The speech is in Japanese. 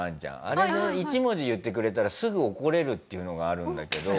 あれで１文字言ってくれたらすぐ怒れるっていうのがあるんだけど。